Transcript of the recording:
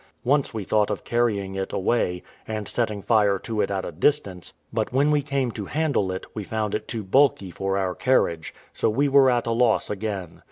Once we thought of carrying it away, and setting fire to it at a distance; but when we came to handle it, we found it too bulky for our carriage, so we were at a loss again.